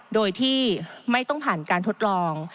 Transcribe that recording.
โดยที่ไม่ต้องผ่านการทดลอง